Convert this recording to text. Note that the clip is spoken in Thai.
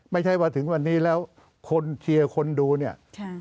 ไม่ใช่ว่าถึงวันนี้แล้วคนเชียร์คนดูเนี่ย